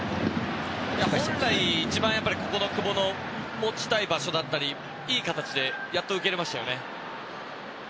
本来の、一番久保の持ちたい場所だったりいい形でやっと受けられましたね。